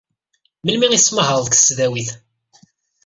Melmi ay tettmahaled deg tesdawit?